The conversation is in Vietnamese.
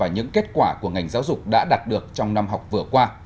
những kết quả của ngành giáo dục đã đạt được trong năm học vừa qua